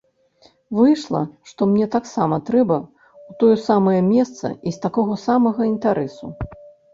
Выйшла, што мне таксама трэба ў тое самае месца і з такога самага інтарэсу.